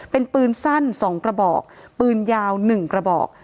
เป็นปืนสั้นสองกระบอกปืนยาวหนึ่งกระบอก